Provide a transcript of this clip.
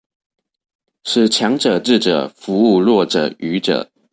使強者智者服務弱者愚者